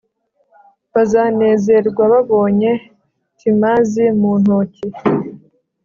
bazanezerwa babonye timazi mu ntoki